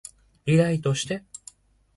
リライトして